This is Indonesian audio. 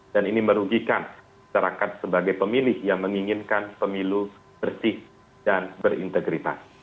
dan ini merugikan serangkat sebagai pemilih yang menginginkan pemilu bersih dan berintegritas